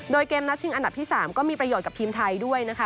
โดยเกมนัดชิงอันดับที่๓ก็มีประโยชน์กับทีมไทยด้วยนะคะ